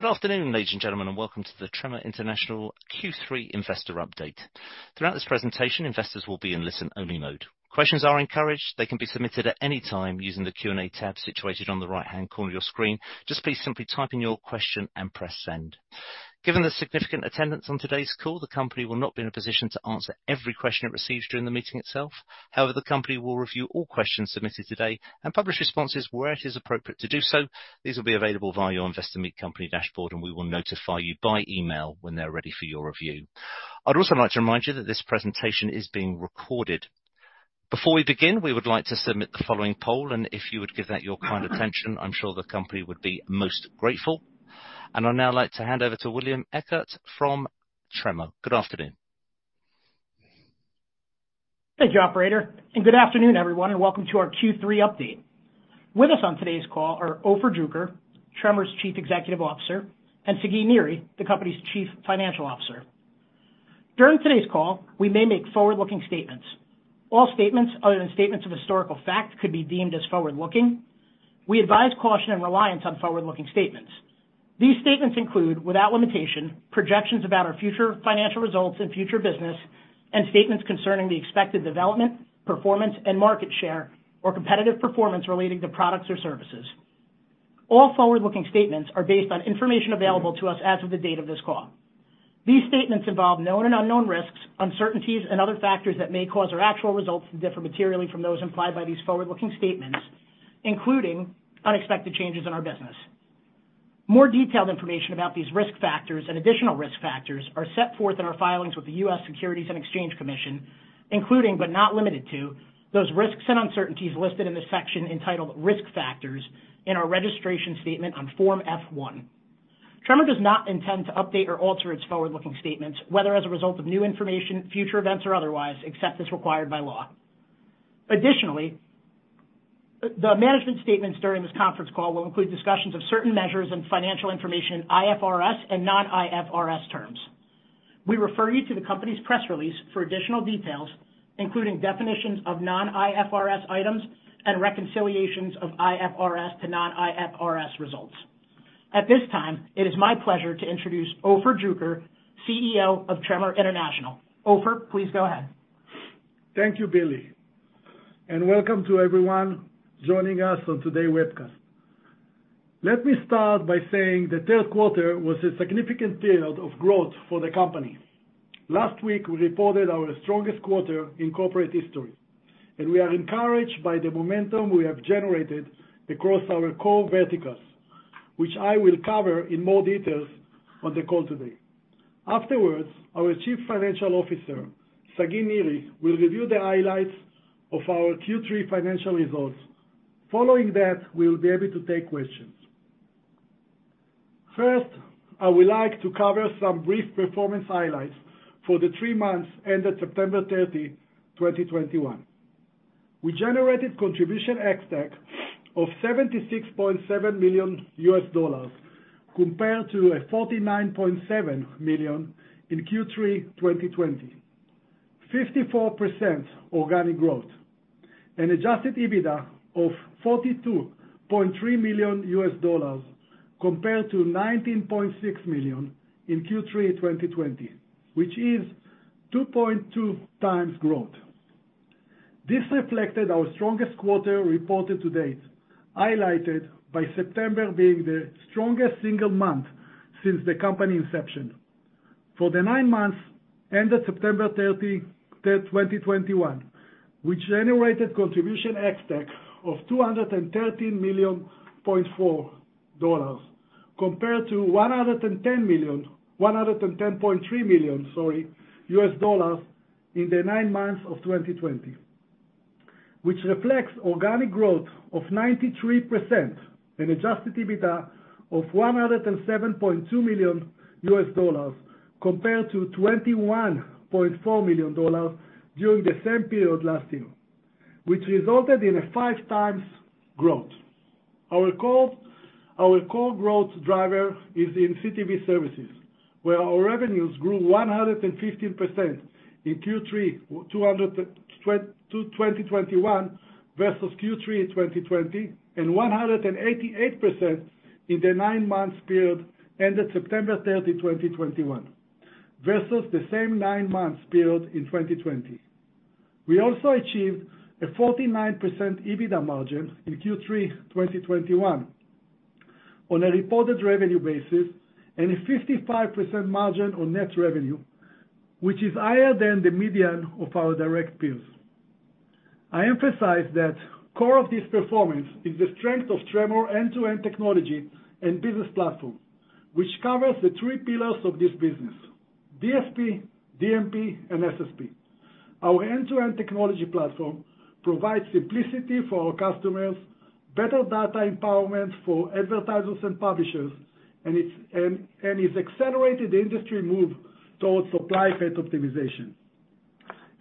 Good afternoon, ladies and gentlemen, and welcome to the Tremor International Q3 investor update. Throughout this presentation, investors will be in listen-only mode. Questions are encouraged. They can be submitted at any time using the Q&A tab situated on the right-hand corner of your screen. Just please simply type in your question and press send. Given the significant attendance on today's call, the company will not be in a position to answer every question it receives during the meeting itself. However, the company will review all questions submitted today and publish responses where it is appropriate to do so. These will be available via your Investor Meet Company dashboard, and we will notify you by email when they're ready for your review. I'd also like to remind you that this presentation is being recorded. Before we begin, we would like to submit the following poll, and if you would give that your kind attention, I'm sure the company would be most grateful. I'd now like to hand over to William Eckert from Tremor. Good afternoon. Thank you, operator, and good afternoon, everyone, and welcome to our Q3 update. With us on today's call are Ofer Druker, Tremor's Chief Executive Officer, and Sagi Niri, the company's Chief Financial Officer. During today's call, we may make forward-looking statements. All statements other than statements of historical fact could be deemed as forward-looking. We advise caution and reliance on forward-looking statements. These statements include, without limitation, projections about our future financial results and future business, and statements concerning the expected development, performance, and market share, or competitive performance relating to products or services. All forward-looking statements are based on information available to us as of the date of this call. These statements involve known and unknown risks, uncertainties, and other factors that may cause our actual results to differ materially from those implied by these forward-looking statements, including unexpected changes in our business. More detailed information about these risk factors and additional risk factors are set forth in our filings with the U.S. Securities and Exchange Commission, including, but not limited to, those risks and uncertainties listed in the section entitled Risk Factors in our registration statement on Form F-1. Tremor does not intend to update or alter its forward-looking statements, whether as a result of new information, future events, or otherwise, except as required by law. Additionally, the management statements during this conference call will include discussions of certain measures and financial information in IFRS and non-IFRS terms. We refer you to the company's press release for additional details, including definitions of non-IFRS items and reconciliations of IFRS to non-IFRS results. At this time, it is my pleasure to introduce Ofer Druker, CEO of Tremor International. Ofer, please go ahead. Thank you, Billy, and welcome to everyone joining us on today's webcast. Let me start by saying the third quarter was a significant period of growth for the company. Last week, we reported our strongest quarter in corporate history, and we are encouraged by the momentum we have generated across our core verticals, which I will cover in more detail on the call today. Afterwards, our Chief Financial Officer, Sagi Niri, will review the highlights of our Q3 financial results. Following that, we'll be able to take questions. First, I would like to cover some brief performance highlights for the three months ended September 30, 2021. We generated contribution ex-TAC of $76.7 million compared to $49.7 million in Q3 2020, 54% organic growth, an adjusted EBITDA of $42.3 million compared to $19.6 million in Q3 2020, which is 2.2x growth. This reflected our strongest quarter reported to date, highlighted by September being the strongest single month since the company inception. For the nine months ended September 30, 2021, we generated contribution ex-TAC of $213.4 million compared to $110.3 million in the nine months of 2020, which reflects organic growth of 93%, an adjusted EBITDA of $107.2 million compared to $21.4 million during the same period last year, which resulted in a 5x growth. Our core growth driver is in CTV services, where our revenues grew 115% in Q3 2021 versus Q3 2020 and 188% in the nine-month period ended September 30, 2021 versus the same nine-month period in 2020. We also achieved a 49% EBITDA margin in Q3 2021 on a reported revenue basis and a 55% margin on net revenue, which is higher than the median of our direct peers. I emphasize the core of this performance is the strength of Tremor end-to-end technology and business platform, which covers the three pillars of this business, DSP, DMP, and SSP. Our end-to-end technology platform provides simplicity for our customers, better data empowerment for advertisers and publishers, and is accelerating the industry's move towards supply path optimization.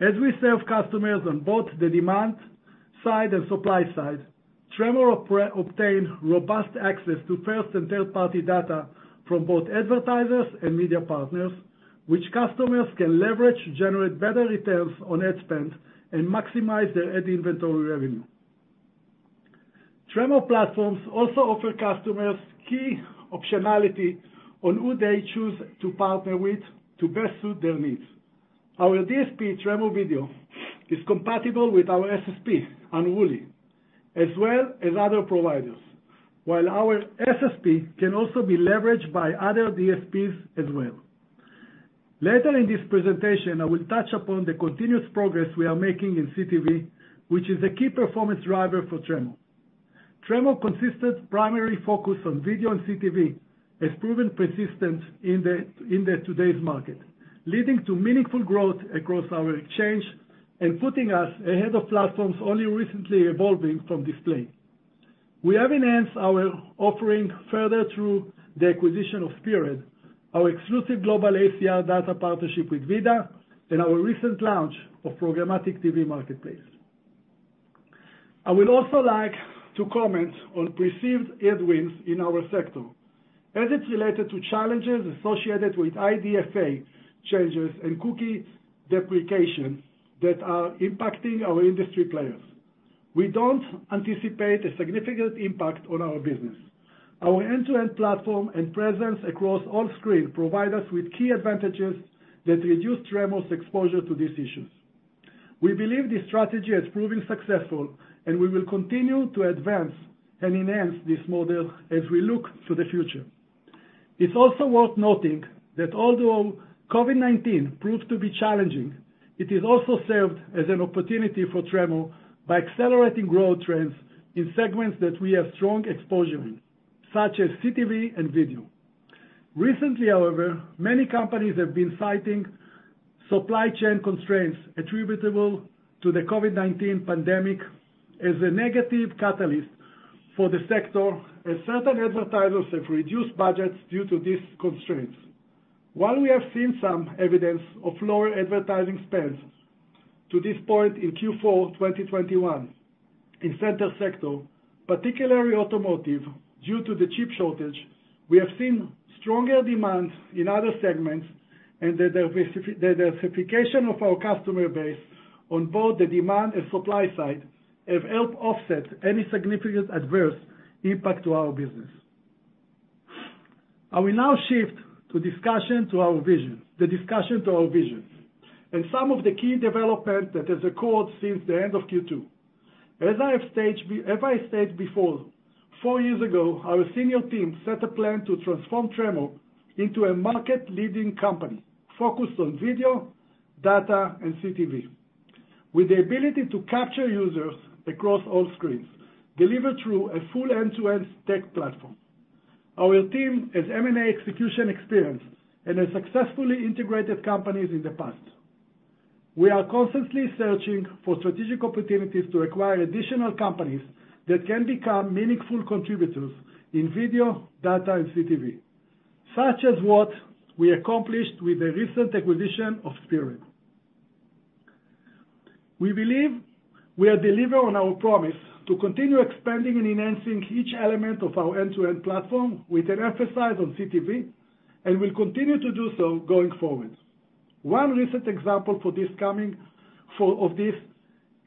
As we serve customers on both the demand side and supply side, Tremor operates to obtain robust access to first and third-party data from both advertisers and media partners, which customers can leverage to generate better returns on ad spend and maximize their ad inventory revenue. Tremor platforms also offer customers key optionality on who they choose to partner with to best suit their needs. Our DSP Tremor Video is compatible with our SSP, Unruly, as well as other providers. While our SSP can also be leveraged by other DSPs as well. Later in this presentation, I will touch upon the continuous progress we are making in CTV, which is a key performance driver for Tremor. Tremor's consistent primary focus on video and CTV has proven persistent in the today's market, leading to meaningful growth across our exchange and putting us ahead of platforms only recently evolving from display. We have enhanced our offering further through the acquisition of Spearad, our exclusive global ACR data partnership with VIDAA, and our recent launch of Programmatic TV Marketplace. I would also like to comment on perceived headwinds in our sector as it's related to challenges associated with IDFA changes and cookie deprecation that are impacting our industry players. We don't anticipate a significant impact on our business. Our end-to-end platform and presence across all screens provide us with key advantages that reduce Tremor's exposure to these issues. We believe this strategy has proven successful, and we will continue to advance and enhance this model as we look to the future. It's also worth noting that although COVID-19 proved to be challenging, it has also served as an opportunity for Tremor by accelerating growth trends in segments that we have strong exposure in, such as CTV and video. Recently, however, many companies have been citing supply chain constraints attributable to the COVID-19 pandemic as a negative catalyst for the sector, as certain advertisers have reduced budgets due to these constraints. While we have seen some evidence of lower advertising spends to this point in Q4 2021 in certain sectors, particularly automotive, due to the chip shortage, we have seen stronger demands in other segments and the diversification of our customer base on both the demand and supply side have helped offset any significant adverse impact to our business. I will now shift the discussion to our visions and some of the key development that has occurred since the end of Q2. As I stated before, four years ago, our senior team set a plan to transform Tremor into a market-leading company focused on video, data, and CTV, with the ability to capture users across all screens, deliver through a full end-to-end tech platform. Our team has M&A execution experience and has successfully integrated companies in the past. We are constantly searching for strategic opportunities to acquire additional companies that can become meaningful contributors in video, data, and CTV, such as what we accomplished with the recent acquisition of Spearad. We believe we are delivering on our promise to continue expanding and enhancing each element of our end-to-end platform with an emphasis on CTV, and we'll continue to do so going forward. One recent example of this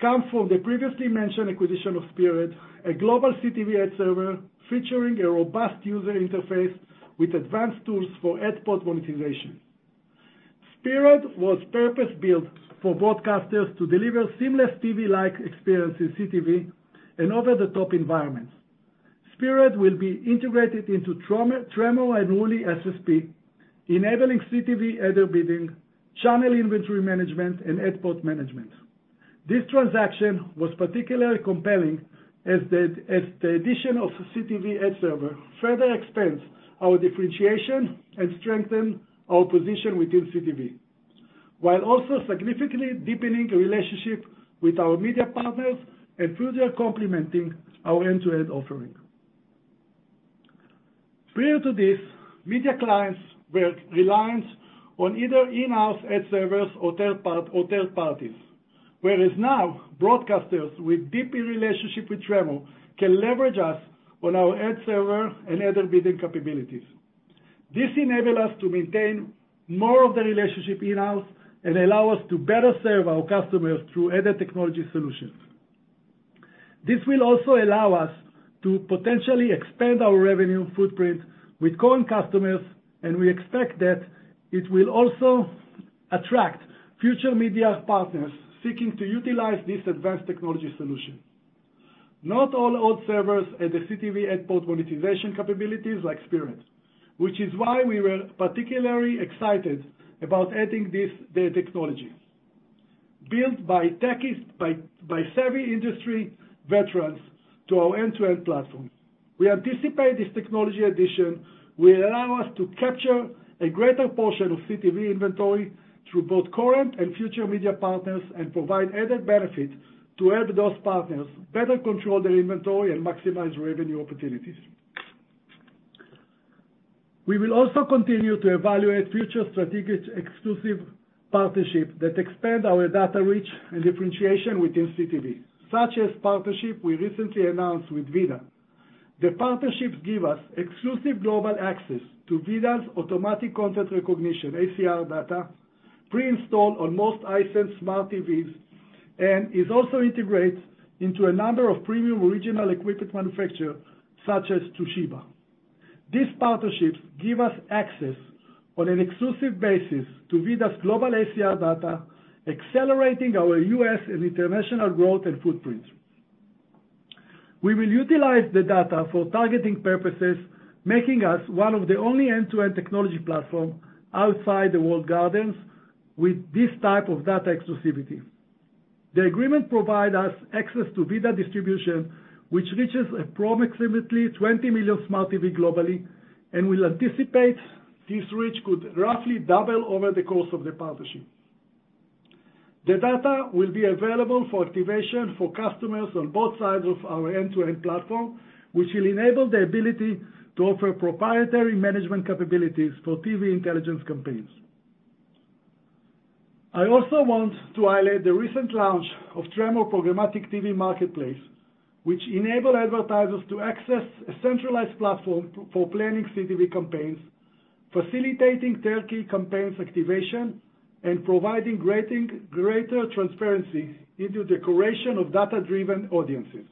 comes from the previously mentioned acquisition of Spearad, a global CTV ad server featuring a robust user interface with advanced tools for ad spot monetization. Spearad was purpose-built for broadcasters to deliver seamless TV-like experience in CTV and over-the-top environments. Spearad will be integrated into Tremor and Unruly SSP, enabling CTV header bidding, channel inventory management, and ad spot management. This transaction was particularly compelling as the addition of CTV ad server further expands our differentiation and strengthen our position within CTV, while also significantly deepening relationship with our media partners and further complementing our end-to-end offering. Prior to this, media clients were reliant on either in-house ad servers or third parties. Whereas now, broadcasters with deeper relationship with Tremor can leverage us on our ad server and header bidding capabilities. This enables us to maintain more of the relationship in-house and allow us to better serve our customers through other technology solutions. This will also allow us to potentially expand our revenue footprint with current customers, and we expect that it will also attract future media partners seeking to utilize this advanced technology solution. Not all ad servers have the CTV ad spot monetization capabilities like Spearad, which is why we were particularly excited about adding the technology built by savvy industry veterans to our end-to-end platform. We anticipate this technology addition will allow us to capture a greater portion of CTV inventory through both current and future media partners and provide added benefit to help those partners better control their inventory and maximize revenue opportunities. We will also continue to evaluate future strategic exclusive partnerships that expand our data reach and differentiation within CTV, such as the partnership we recently announced with VIDAA. The partnerships give us exclusive global access to VIDAA's automatic content recognition, ACR data, pre-installed on most Hisense smart TVs, and it also integrates into a number of premium original equipment manufacturers such as Toshiba. These partnerships give us access on an exclusive basis to VIDAA's global ACR data, accelerating our U.S. and international growth and footprint. We will utilize the data for targeting purposes, making us one of the only end-to-end technology platforms outside the walled gardens with this type of data exclusivity. The agreement provides us access to VIDAA distribution, which reaches approximately 20 million smart TVs globally, and we anticipate this reach could roughly double over the course of the partnership. The data will be available for activation for customers on both sides of our end-to-end platform, which will enable the ability to offer proprietary management capabilities for TV intelligence campaigns. I also want to highlight the recent launch of Tremor Programmatic TV Marketplace, which enable advertisers to access a centralized platform for planning CTV campaigns, facilitating turn-key campaigns activation, and providing greater transparency into the creation of data-driven audiences.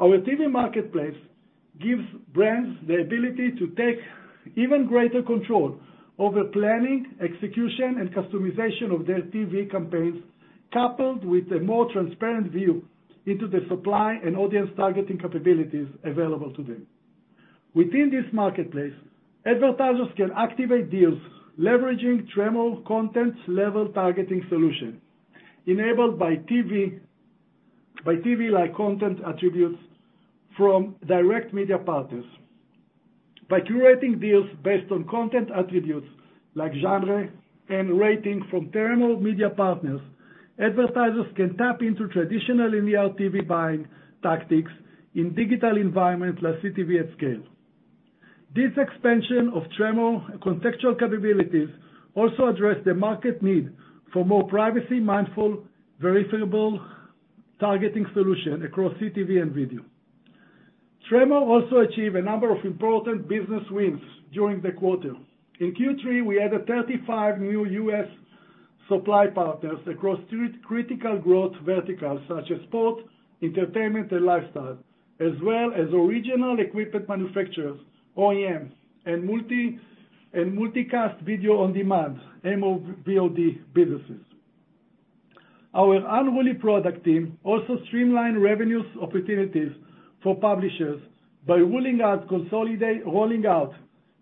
Our TV marketplace gives brands the ability to take even greater control over planning, execution, and customization of their TV campaigns, coupled with a more transparent view into the supply and audience targeting capabilities available today. Within this marketplace, advertisers can activate deals leveraging Tremor content level targeting solution enabled by TV, by TV-like content attributes from direct media partners. By curating deals based on content attributes like genre and rating from Tremor media partners, advertisers can tap into traditional linear TV buying tactics in digital environments like CTV at scale. This expansion of Tremor contextual capabilities also address the market need for more privacy-mindful, verifiable targeting solution across CTV and video. Tremor also achieve a number of important business wins during the quarter. In Q3, we added 35 new U.S. supply partners across three critical growth verticals such as sport, entertainment, and lifestyle, as well as original equipment manufacturers, OEMs, and multicast video on demand, MVOD businesses. Our Unruly product team also streamlined revenues opportunities for publishers by rolling out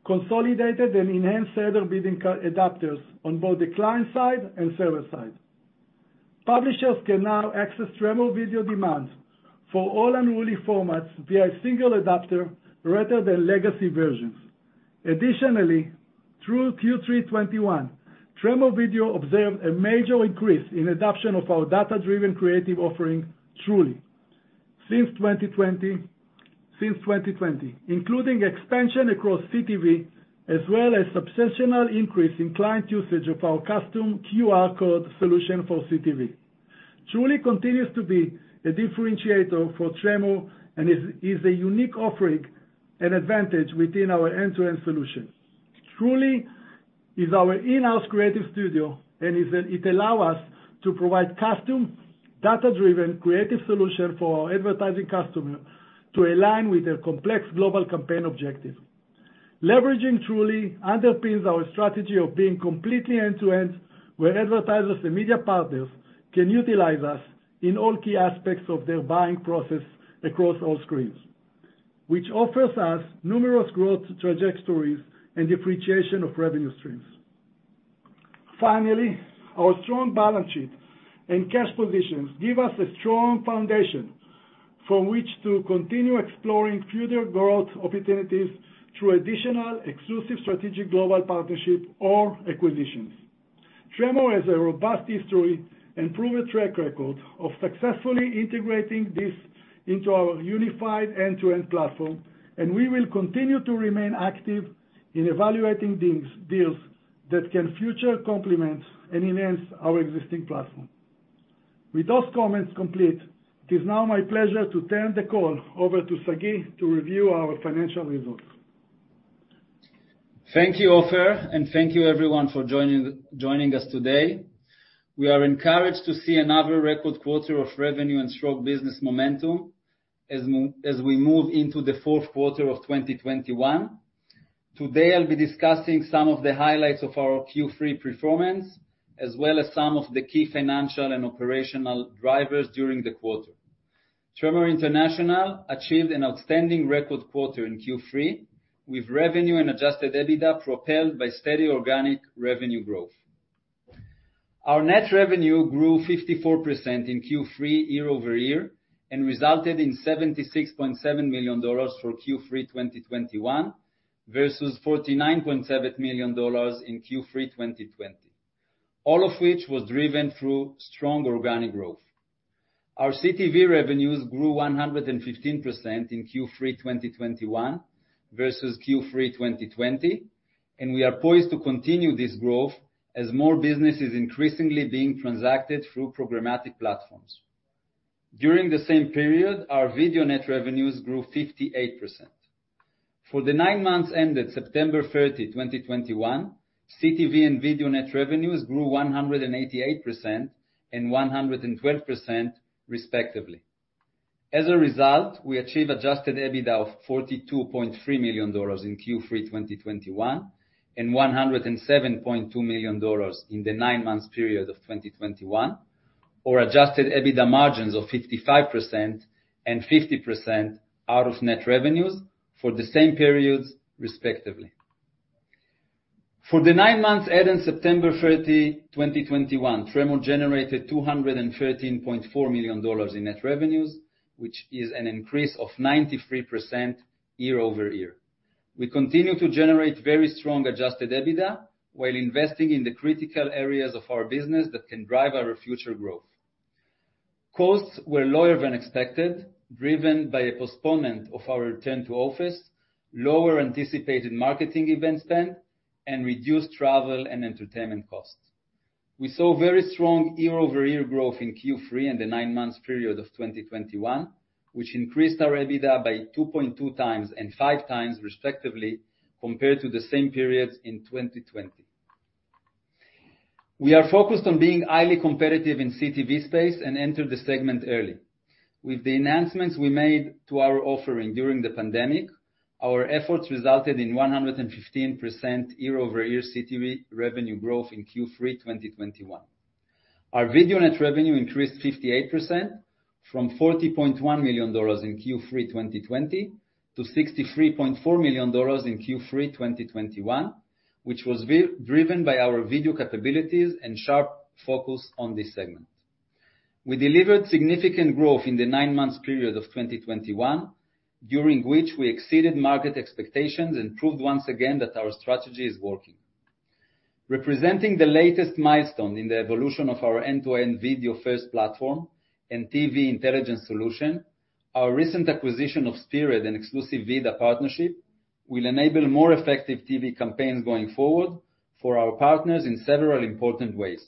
consolidated and enhanced set of bidding adapters on both the client side and server side. Publishers can now access Tremor Video demands for all Unruly formats via a single adapter rather than legacy versions. Additionally, through Q3 2021, Tremor Video observed a major increase in adoption of our data-driven creative offering, Tr.ly, since 2020, including expansion across CTV, as well as substantial increase in client usage of our custom QR code solution for CTV. Tr.ly continues to be a differentiator for Tremor and is a unique offering and advantage within our end-to-end solution. Tr.ly is our in-house creative studio and it allows us to provide custom, data-driven creative solution for our advertising customer to align with their complex global campaign objective. Leveraging Tr.ly underpins our strategy of being completely end-to-end, where advertisers and media partners can utilize us in all key aspects of their buying process across all screens, which offers us numerous growth trajectories and diversification of revenue streams. Finally, our strong balance sheet and cash positions give us a strong foundation from which to continue exploring further growth opportunities through additional exclusive strategic global partnership or acquisitions. Tremor has a robust history and proven track record of successfully integrating this into our unified end-to-end platform, and we will continue to remain active in evaluating deals that can further complement and enhance our existing platform. With those comments complete, it is now my pleasure to turn the call over to Sagi to review our financial results. Thank you, Ofer, and thank you everyone for joining us today. We are encouraged to see another record quarter of revenue and strong business momentum as we move into the fourth quarter of 2021. Today, I'll be discussing some of the highlights of our Q3 performance, as well as some of the key financial and operational drivers during the quarter. Tremor International achieved an outstanding record quarter in Q3, with revenue and adjusted EBITDA propelled by steady organic revenue growth. Our net revenue grew 54% in Q3 year-over-year, and resulted in $76.7 million for Q3, 2021 versus $49.7 million in Q3, 2020. All of which was driven through strong organic growth. Our CTV revenues grew 115% in Q3 2021 versus Q3 2020. We are poised to continue this growth as more business is increasingly being transacted through programmatic platforms. During the same period, our video net revenues grew 58%. For the nine months ended September 30, 2021, CTV and video net revenues grew 188% and 112% respectively. As a result, we achieved adjusted EBITDA of $42.3 million in Q3 2021 and $107.2 million in the nine month-period of 2021, or adjusted EBITDA margins of 55% and 50% out of net revenues for the same periods, respectively. For the nine months ended September 30, 2021, Tremor generated $213.4 million in net revenues, which is an increase of 93% year-over-year. We continue to generate very strong adjusted EBITDA while investing in the critical areas of our business that can drive our future growth. Costs were lower than expected, driven by a postponement of our return to office, lower anticipated marketing event spend, and reduced travel and entertainment costs. We saw very strong year-over-year growth in Q3 and the nine-month period of 2021, which increased our EBITDA by 2.2x and 5x, respectively, compared to the same periods in 2020. We are focused on being highly competitive in CTV space and entered the segment early. With the announcements we made to our offering during the pandemic, our efforts resulted in 115% year-over-year CTV revenue growth in Q3 2021. Our video net revenue increased 58% from $40.1 million in Q3 2020 to $63.4 million in Q3 2021, which was driven by our video capabilities and sharp focus on this segment. We delivered significant growth in the nine-month period of 2021, during which we exceeded market expectations and proved once again that our strategy is working. Representing the latest milestone in the evolution of our end-to-end video-first platform and TV intelligence solution, our recent acquisition of Spearad and exclusive VIDAA partnership will enable more effective TV campaigns going forward for our partners in several important ways,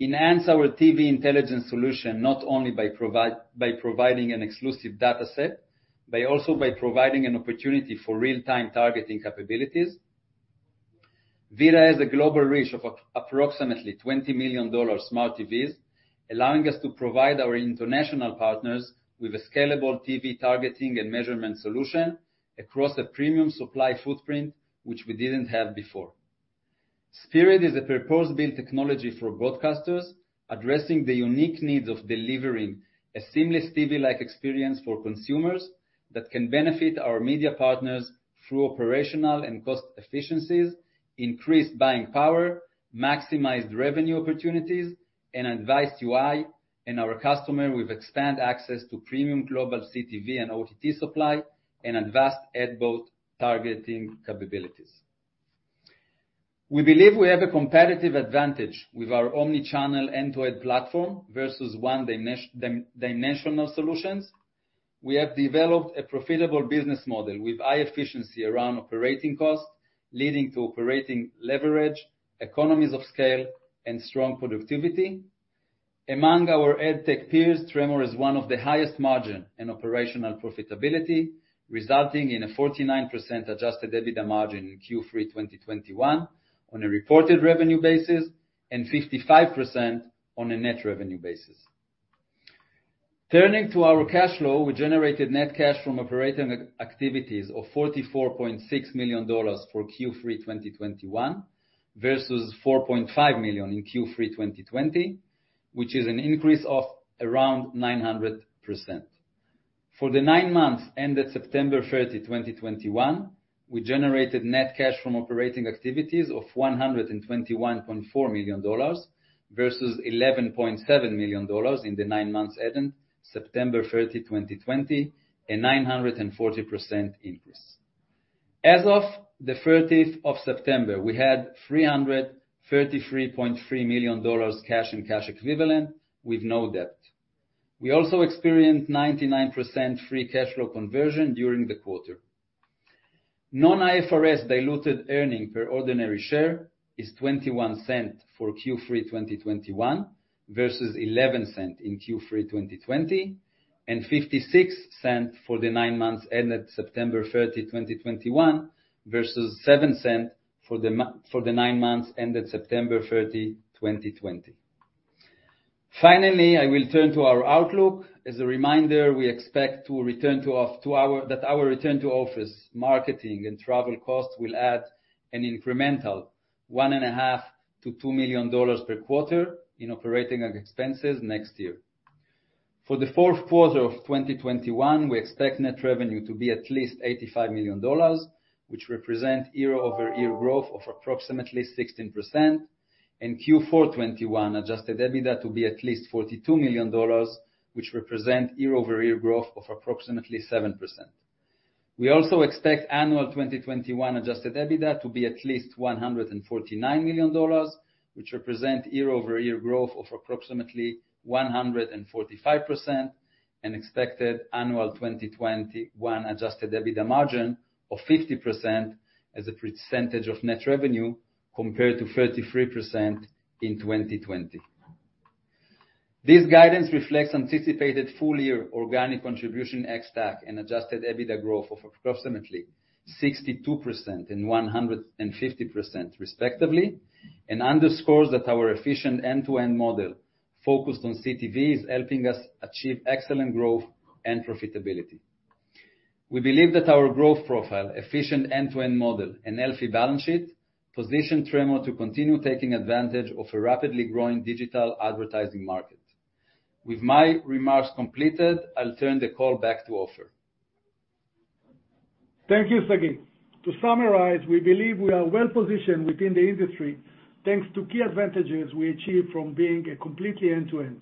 enhance our TV intelligence solution not only by providing an exclusive data set, but also by providing an opportunity for real-time targeting capabilities. VIDAA has a global reach of approximately 20 million smart TVs, allowing us to provide our international partners with a scalable TV targeting and measurement solution across a premium supply footprint, which we didn't have before. Spearad is a purpose-built technology for broadcasters, addressing the unique needs of delivering a seamless TV-like experience for consumers that can benefit our media partners through operational and cost efficiencies, increased buying power, maximized revenue opportunities, and advanced UI, and our customers with expanded access to premium global CTV and OTT supply and advanced ad pod targeting capabilities. We believe we have a competitive advantage with our omnichannel end-to-end platform versus one-dimensional solutions. We have developed a profitable business model with high efficiency around operating costs, leading to operating leverage, economies of scale, and strong productivity. Among our ad tech peers, Tremor is one of the highest margin in operational profitability, resulting in a 49% adjusted EBITDA margin in Q3 2021 on a reported revenue basis and 55% on a net revenue basis. Turning to our cash flow, we generated net cash from operating activities of $44.6 million for Q3 2021 versus $4.5 million in Q3 2020, which is an increase of around 900%. For the nine months ended September 30, 2021, we generated net cash from operating activities of $121.4 million versus $11.7 million in the nine months ended September 30, 2020, a 940% increase. As of the 30th of September, we had $333.3 million cash and cash equivalents with no debt. We also experienced 99% free cash flow conversion during the quarter. Non-IFRS diluted earnings per ordinary share is $0.21 for Q3 2021 versus $0.11 in Q3 2020, and $0.56 for the nine months ended September 30, 2021 versus $0.07 for the nine months ended September 30, 2020. Finally, I will turn to our outlook. As a reminder, we expect that our return to office marketing and travel costs will add an incremental $1.5 million-$2 million per quarter in operating expenses next year. For the fourth quarter of 2021, we expect net revenue to be at least $85 million, which represent year-over-year growth of approximately 16%, and Q4 2021 adjusted EBITDA to be at least $42 million, which represent year-over-year growth of approximately 7%. We also expect annual 2021 adjusted EBITDA to be at least $149 million, which represent year-over-year growth of approximately 145% and expected annual 2021 adjusted EBITDA margin of 50% as a percentage of net revenue compared to 33% in 2020. This guidance reflects anticipated full year organic contribution ex-TAC and adjusted EBITDA growth of approximately 62% and 150% respectively, and underscores that our efficient end-to-end model focused on CTV is helping us achieve excellent growth and profitability. We believe that our growth profile, efficient end-to-end model, and healthy balance sheet position Tremor to continue taking advantage of a rapidly growing digital advertising market. With my remarks completed, I'll turn the call back to Ofer. Thank you, Sagi. To summarize, we believe we are well-positioned within the industry thanks to key advantages we achieve from being a completely end-to-end.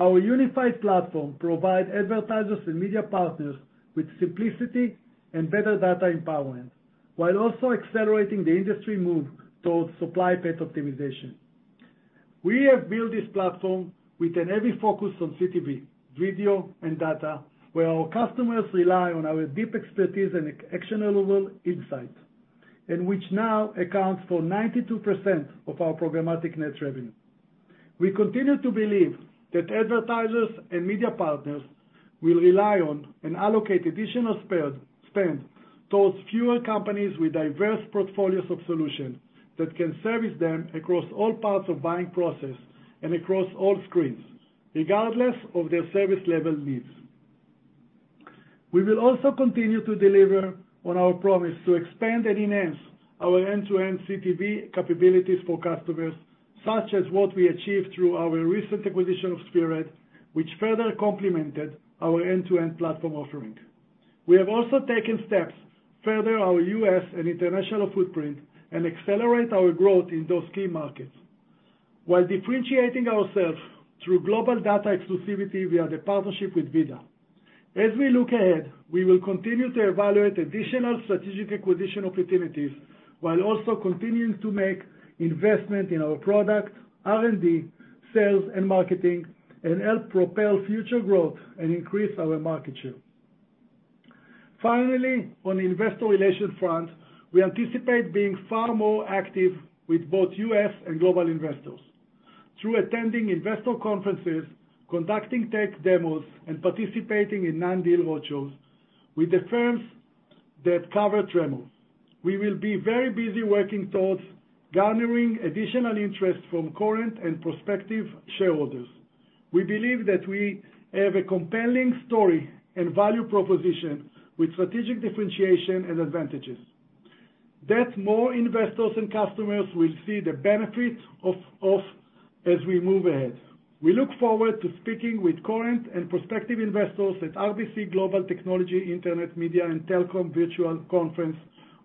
Our unified platform provide advertisers and media partners with simplicity and better data empowerment, while also accelerating the industry move towards supply path optimization. We have built this platform with a heavy focus on CTV, video and data, where our customers rely on our deep expertise and actionable insight, and which now accounts for 92% of our programmatic net revenue. We continue to believe that advertisers and media partners will rely on and allocate additional spend towards fewer companies with diverse portfolios of solutions that can service them across all parts of buying process and across all screens, regardless of their service level needs. We will also continue to deliver on our promise to expand and enhance our end-to-end CTV capabilities for customers, such as what we achieved through our recent acquisition of Spearad, which further complemented our end-to-end platform offering. We have also taken steps to further our U.S. and international footprint and accelerate our growth in those key markets while differentiating ourselves through global data exclusivity via the partnership with VIDAA. As we look ahead, we will continue to evaluate additional strategic acquisition opportunities while also continuing to make investment in our product, R&D, sales, and marketing, and help propel future growth and increase our market share. Finally, on investor relations front, we anticipate being far more active with both U.S. and global investors through attending investor conferences, conducting tech demos, and participating in non-deal roadshows with the firms that cover Tremor. We will be very busy working towards garnering additional interest from current and prospective shareholders. We believe that we have a compelling story and value proposition with strategic differentiation and advantages that more investors and customers will see the benefit of as we move ahead. We look forward to speaking with current and prospective investors at RBC Global Technology, Internet, Media and Telecommunications Conference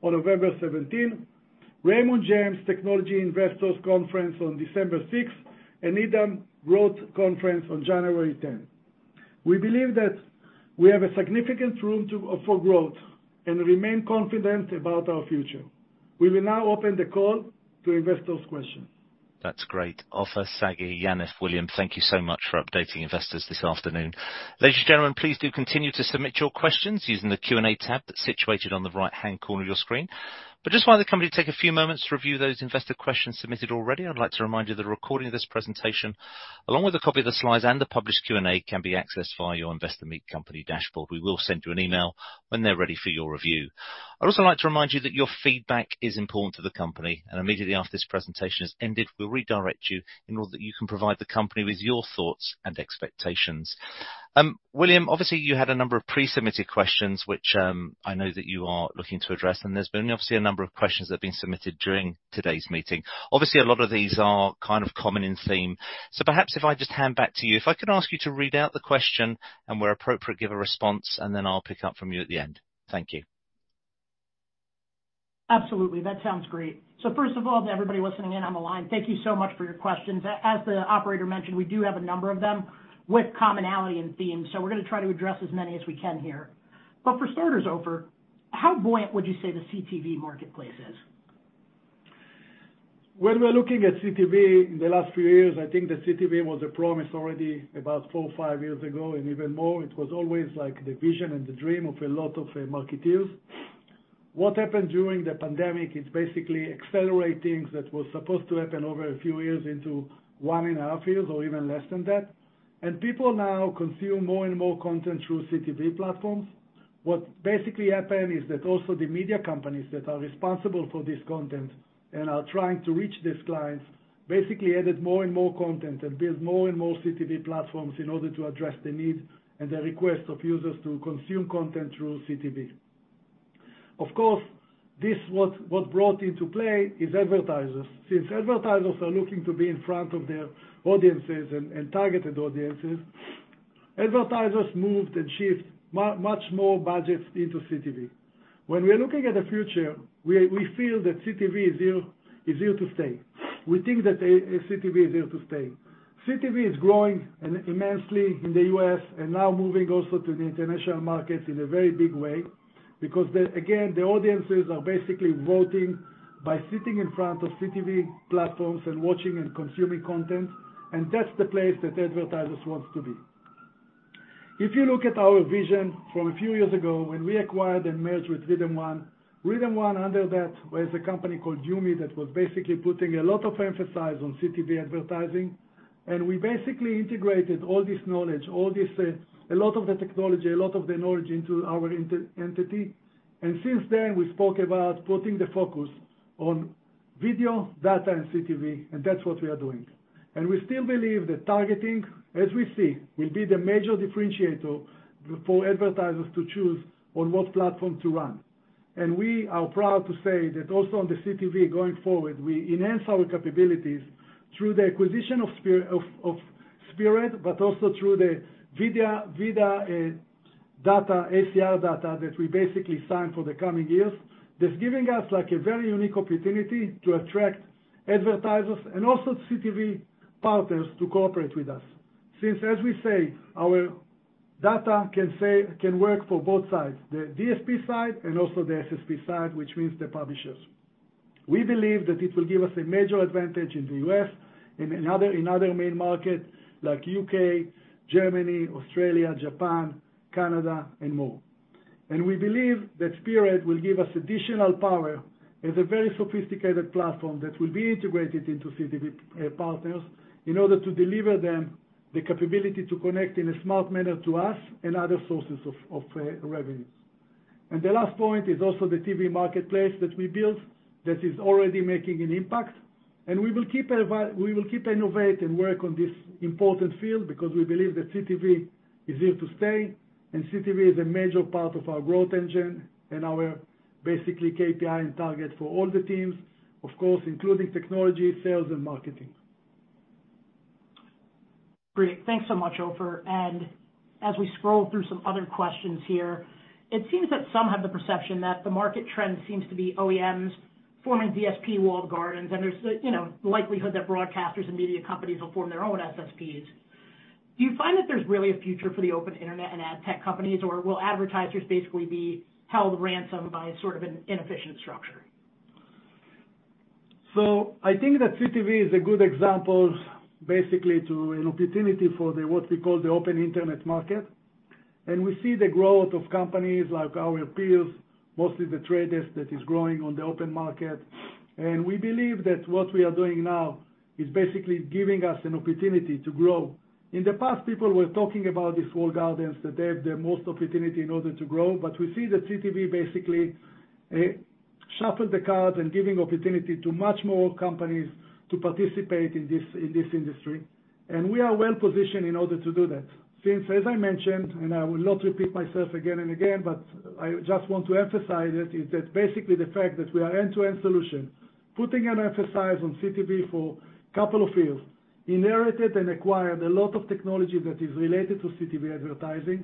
on November 17, Raymond James Technology Investors Conference on December 6, and Needham Growth Conference on January 10. We believe that we have a significant room for growth and remain confident about our future. We will now open the call to investors' questions. That's great. Ofer, Sagi, Yaniv, William, thank you so much for updating investors this afternoon. Ladies and gentlemen, please do continue to submit your questions using the Q&A tab that's situated on the right-hand corner of your screen. Just while the company take a few moments to review those investor questions submitted already, I'd like to remind you the recording of this presentation, along with a copy of the slides and the published Q&A, can be accessed via your Investor Meet Company dashboard. We will send you an email when they're ready for your review. I'd also like to remind you that your feedback is important to the company, and immediately after this presentation has ended, we'll redirect you in order that you can provide the company with your thoughts and expectations. William, obviously you had a number of pre-submitted questions, which, I know that you are looking to address, and there's been obviously a number of questions that have been submitted during today's meeting. Obviously, a lot of these are kind of common in theme. Perhaps if I just hand back to you, if I could ask you to read out the question and where appropriate, give a response, and then I'll pick up from you at the end. Thank you. Absolutely. That sounds great. First of all, to everybody listening in on the line, thank you so much for your questions. As the operator mentioned, we do have a number of them with commonality and themes, so we're gonna try to address as many as we can here. For starters, Ofer, how buoyant would you say the CTV marketplace is? When we're looking at CTV in the last few years, I think the CTV was a promise already about four or five years ago and even more. It was always like the vision and the dream of a lot of marketers. What happened during the pandemic is basically accelerating what was supposed to happen over a few years into one and a half years or even less than that. People now consume more and more content through CTV platforms. What basically happened is that also the media companies that are responsible for this content and are trying to reach these clients basically added more and more content and build more and more CTV platforms in order to address the needs and the request of users to consume content through CTV. Of course, this was what brought into play is advertisers. Since advertisers are looking to be in front of their audiences and targeted audiences, advertisers moved and shift much more budgets into CTV. When we are looking at the future, we feel that CTV is here to stay. We think that CTV is here to stay. CTV is growing immensely in the U.S. and now moving also to the international markets in a very big way because again, the audiences are basically voting by sitting in front of CTV platforms and watching and consuming content, and that's the place that advertisers wants to be. If you look at our vision from a few years ago when we acquired and merged with RhythmOne, RhythmOne under that was a company called YuMe, that was basically putting a lot of emphasis on CTV advertising. We basically integrated all this knowledge, all this, a lot of the technology, a lot of the knowledge into our entity. Since then, we spoke about putting the focus on video, data, and CTV, and that's what we are doing. We still believe that targeting, as we see, will be the major differentiator for advertisers to choose on what platform to run. We are proud to say that also on the CTV going forward, we enhance our capabilities through the acquisition of Spearad, but also through the VIDAA data, ACR data that we basically signed for the coming years. That's giving us, like, a very unique opportunity to attract advertisers and also CTV partners to cooperate with us. Since, as we say, our data can work for both sides, the DSP side and also the SSP side, which means the publishers. We believe that it will give us a major advantage in the U.S. and in other main markets like U.K., Germany, Australia, Japan, Canada, and more. We believe that Spearad will give us additional power as a very sophisticated platform that will be integrated into CTV partners in order to deliver them the capability to connect in a smart manner to us and other sources of revenue. The last point is also the TV marketplace that we built that is already making an impact. We will keep innovating and work on this important field because we believe that CTV is here to stay, and CTV is a major part of our growth engine and our basically KPI and target for all the teams, of course, including technology, sales, and marketing. Great. Thanks so much, Ofer. As we scroll through some other questions here, it seems that some have the perception that the market trend seems to be OEMs forming DSP-walled gardens, and there's, you know, the likelihood that broadcasters and media companies will form their own SSPs. Do you find that there's really a future for the open internet and ad tech companies, or will advertisers basically be held ransom by sort of an inefficient structure? I think that CTV is a good example basically to an opportunity for the, what we call the open internet market. We see the growth of companies like our peers, mostly The Trade Desk that is growing on the open market. We believe that what we are doing now is basically giving us an opportunity to grow. In the past, people were talking about these walled gardens, that they have the most opportunity in order to grow, but we see that CTV basically shuffled the cards and giving opportunity to much more companies to participate in this industry. We are well-positioned in order to do that. Since, as I mentioned, and I will not repeat myself again and again, but I just want to emphasize it, is that basically the fact that we are end-to-end solution, putting an emphasis on CTV for couple of years, inherited and acquired a lot of technology that is related to CTV advertising,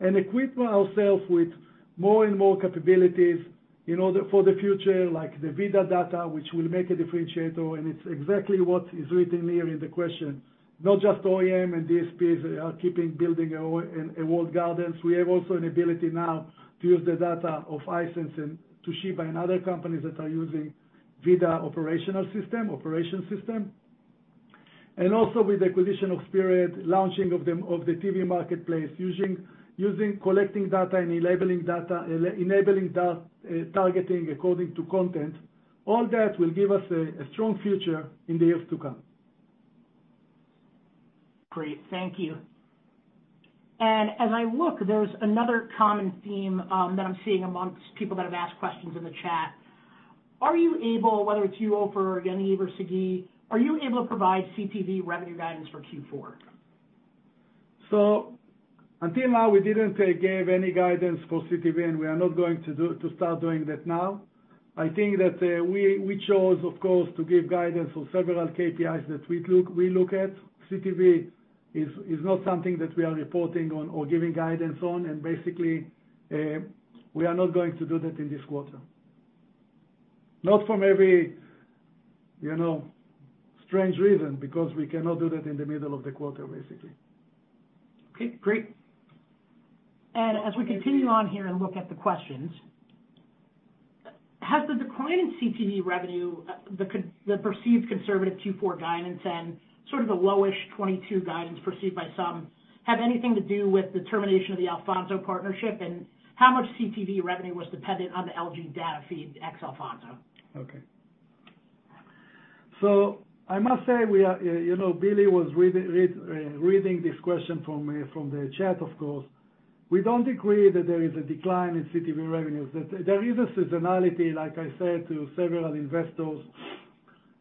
and equip ourselves with more and more capabilities in order for the future, like the VIDAA data, which will make a differentiator. It's exactly what is written here in the question. Not just OEM and DSPs are keeping building a walled gardens. We have also an ability now to use the data of Hisense and to reach other companies that are using VIDAA operation system. Also with the acquisition of Spearad, launching of the TV marketplace, using collecting data, and enabling targeting according to content, all that will give us a strong future in the years to come. Great. Thank you. As I look, there's another common theme that I'm seeing amongst people that have asked questions in the chat. Are you able, whether it's you, Ofer, Yaniv, or Sagi, are you able to provide CTV revenue guidance for Q4? Until now, we didn't give any guidance for CTV, and we are not going to start doing that now. I think that we chose, of course, to give guidance on several KPIs that we look at. CTV is not something that we are reporting on or giving guidance on, and basically, we are not going to do that in this quarter. Not for every, you know, strange reason, because we cannot do that in the middle of the quarter, basically. Okay, great. As we continue on here and look at the questions, has the decline in CTV revenue, the perceived conservative Q4 guidance and sort of the low-ish 2022 guidance perceived by some, have anything to do with the termination of the Alphonso partnership, and how much CTV revenue was dependent on the LG data feed ex Alphonso? Okay. I must say, you know, Billy was reading this question from the chat, of course. We don't agree that there is a decline in CTV revenues. There is a seasonality, like I said to several investors.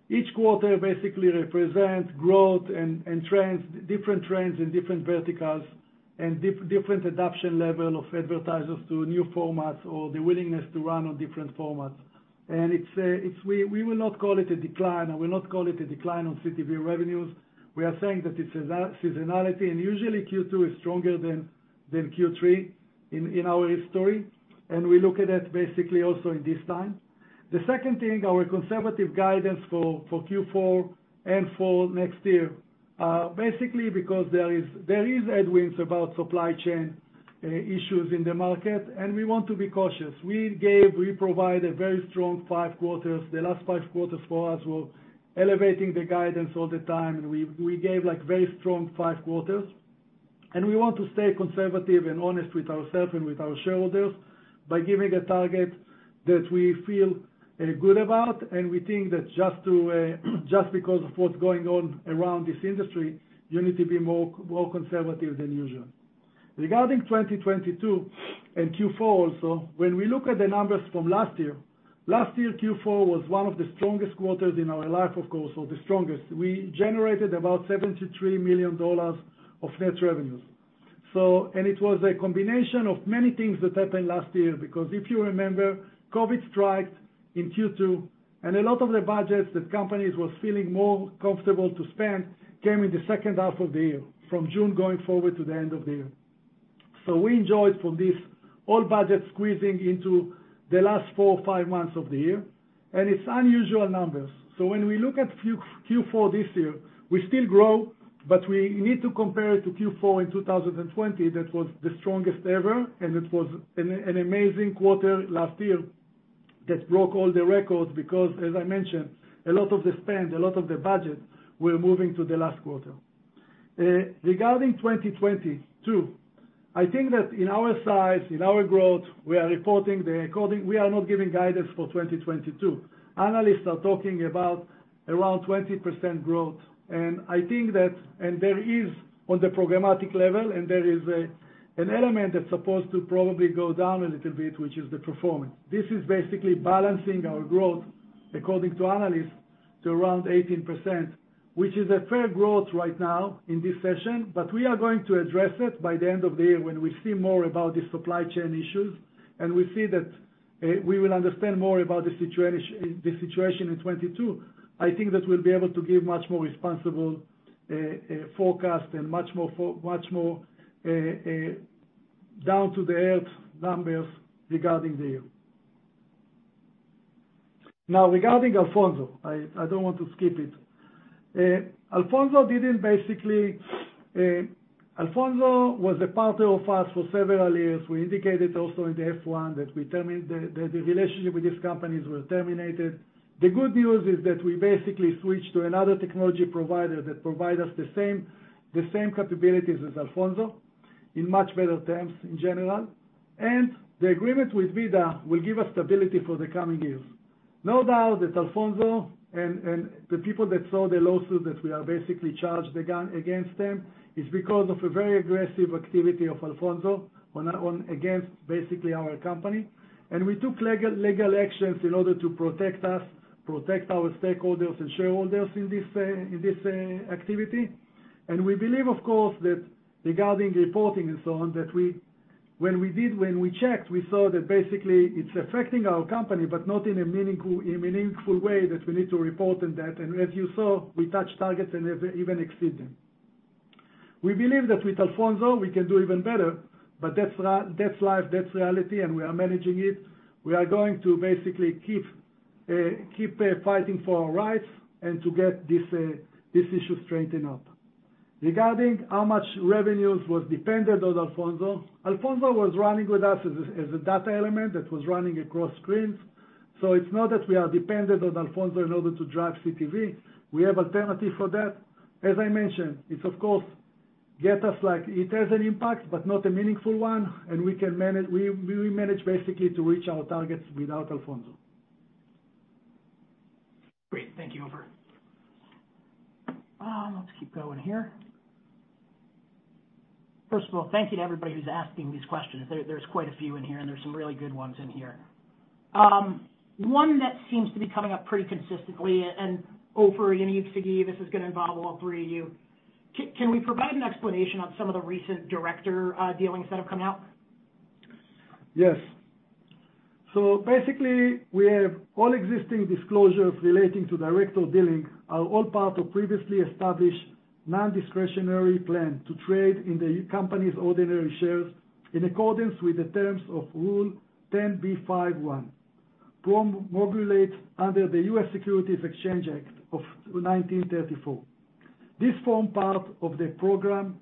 Each quarter basically represents growth and trends, different trends in different verticals and different adoption level of advertisers to new formats or the willingness to run on different formats. It's, we will not call it a decline. I will not call it a decline on CTV revenues. We are saying that it's a seasonality, and usually Q2 is stronger than Q3 in our history. We look at it basically also in this time. The second thing, our conservative guidance for Q4 and for next year, basically because there is headwinds about supply chain issues in the market, and we want to be cautious. We provided very strong five quarters. The last five quarters for us were elevating the guidance all the time, and we gave, like, very strong five quarters. We want to stay conservative and honest with ourselves and with our shareholders by giving a target that we feel good about. We think that just because of what's going on around this industry, you need to be more conservative than usual. Regarding 2022 and Q4 also, when we look at the numbers from last year, last year's Q4 was one of the strongest quarters in our life, of course, or the strongest. We generated about $73 million of net revenues. It was a combination of many things that happened last year, because if you remember, COVID struck in Q2, and a lot of the budgets that companies was feeling more comfortable to spend came in the second half of the year, from June going forward to the end of the year. We enjoyed from this all budget squeezing into the last four or five months of the year, and it's unusual numbers. When we look at Q4 this year, we still grow, but we need to compare it to Q4 in 2020 that was the strongest ever, and it was an amazing quarter last year that broke all the records, because as I mentioned, a lot of the spend, a lot of the budget were moving to the last quarter. Regarding 2022, I think that in our size, in our growth, we are not giving guidance for 2022. Analysts are talking about around 20% growth. There is, on the programmatic level, an element that's supposed to probably go down a little bit, which is the performance. This is basically balancing our growth according to analysts to around 18%, which is a fair growth right now in this session, but we are going to address it by the end of the year when we see more about the supply chain issues, and we see that, we will understand more about the situation in 2022. I think that we'll be able to give much more responsible forecast and much more down-to-earth numbers regarding the year. Now, regarding Alphonso, I don't want to skip it. Alphonso was a partner of us for several years. We indicated also in the F-1 that the relationship with these companies was terminated. The good news is that we basically switched to another technology provider that provide us the same capabilities as Alphonso in much better terms in general. The agreement with VIDAA will give us stability for the coming years. No doubt that Alphonso and the people that saw the lawsuit that we are basically charged against them is because of a very aggressive activity of Alphonso against basically our company. We took legal actions in order to protect us, protect our stakeholders and shareholders in this activity. We believe, of course, that regarding reporting and so on, that when we checked, we saw that basically it's affecting our company, but not in a meaningful way that we need to report on that. As you saw, we touched targets and even exceed them. We believe that with Alphonso, we can do even better, but that's life, that's reality, and we are managing it. We are going to basically keep fighting for our rights and to get this issue straightened out. Regarding how much revenues was dependent on Alphonso, Alphonso was running with us as a data element that was running across screens. It's not that we are dependent on Alphonso in order to drive CTV. We have alternative for that. As I mentioned, it does of course get us, like, it has an impact, but not a meaningful one, and we can manage basically to reach our targets without Alphonso. Great. Thank you, Ofer. Let's keep going here. First of all, thank you to everybody who's asking these questions. There's quite a few in here, and there's some really good ones in here. One that seems to be coming up pretty consistently, and Ofer, Yaniv, and Sagi, this is gonna involve all three of you. Can we provide an explanation on some of the recent director dealings that have come out? Yes. Basically, we have all existing disclosures relating to director dealing are all part of previously established non-discretionary plan to trade in the company's ordinary shares in accordance with the terms of Rule 10b5-1, promulgated under the U.S. Securities Exchange Act of 1934. This forms part of the program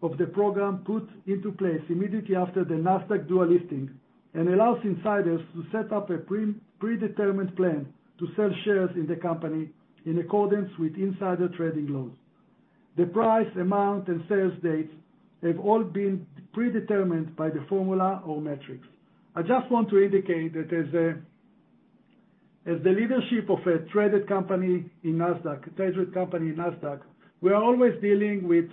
put into place immediately after the Nasdaq dual listing and allows insiders to set up a predetermined plan to sell shares in the company in accordance with insider trading laws. The price, amount, and sales dates have all been predetermined by the formula or metrics. I just want to indicate that as the leadership of a traded company in Nasdaq, we are always dealing with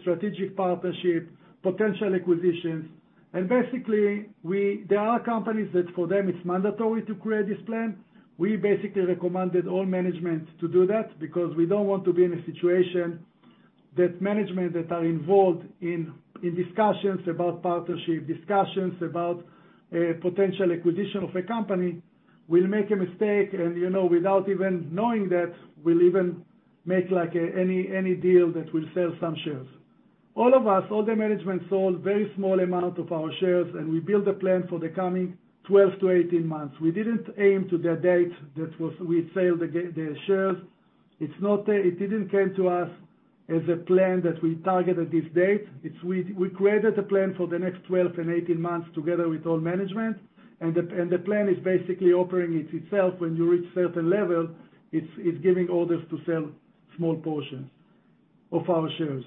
strategic partnerships, potential acquisitions. There are companies that for them, it's mandatory to create this plan. We basically recommended all management to do that because we don't want to be in a situation that management that are involved in discussions about partnership, discussions about potential acquisition of a company will make a mistake and, you know, without even knowing that will even make like any deal that will sell some shares. All of us, all the management sold very small amount of our shares, and we built a plan for the coming 12-18 months. We didn't aim to the date that we sell the shares. It didn't come to us as a plan that we target at this date. We created a plan for the next 12-18 months together with all management, and the plan is basically operating itself. When you reach certain level, it's giving orders to sell small portions of our shares.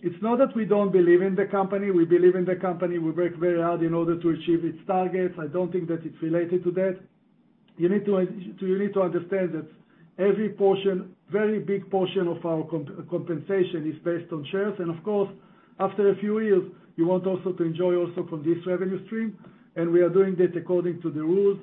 It's not that we don't believe in the company. We believe in the company. We work very hard in order to achieve its targets. I don't think that it's related to that. You need to understand that every portion, very big portion of our compensation is based on shares. Of course, after a few years, you want also to enjoy from this revenue stream, and we are doing that according to the rules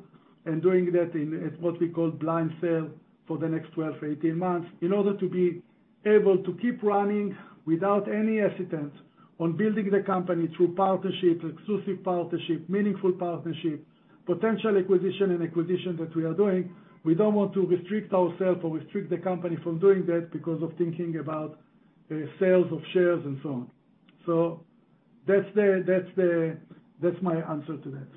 and doing that in, at what we call blind sale for the next 12-18 months in order to be able to keep running without any hesitance on building the company through partnership, exclusive partnership, meaningful partnership, potential acquisition and acquisition that we are doing. We don't want to restrict ourselves or restrict the company from doing that because of thinking about sales of shares and so on. That's my answer to that.